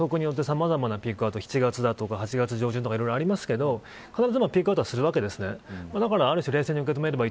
今回は予測値でさまざまなピークアウト７月とか、８月上旬とかいろいろありますが必ずピークアウトするわけです。